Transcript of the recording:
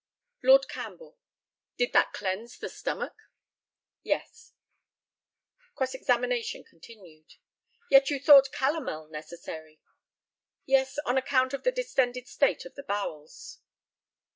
Lord CAMPBELL: Did that cleanse the stomach? Yes. Cross examination continued: Yet you thought calomel necessary? Yes; on account of the distended state of the bowels.